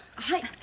はい。